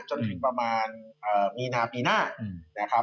จนถึงประมาณมีนาปีหน้า